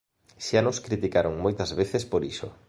Xa nos criticaron moitas veces por iso.